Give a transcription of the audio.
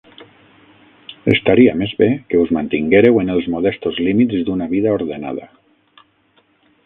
Estaria més bé que us mantinguéreu en els modestos límits d’una vida ordenada.